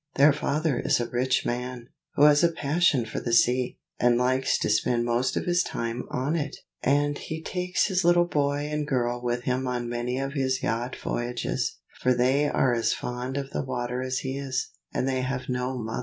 Their father is a rich man, who has a passion for the sea, and likes to spend most of his time on it: and he takes his little boy and girl with him on many of his yacht voyages, for they are as fond of the water as he is, and they have no mother."